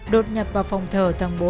đột nhập vào phòng thờ tầng bốn